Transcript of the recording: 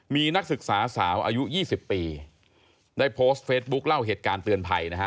มีนักศึกษาสาวอายุ๒๐ปีได้โพสต์เฟซบุ๊คเล่าเหตุการณ์เตือนภัยนะฮะ